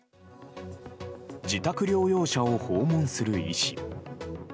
自宅療養者を訪問する医師。